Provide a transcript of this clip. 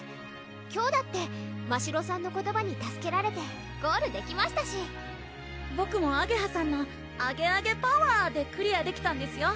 今日だってましろさんの言葉に助けられてゴールできましたしボクもあげはさんのアゲアゲパワーでクリアできたんですよ